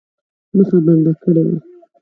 مخه بنده کړې وه.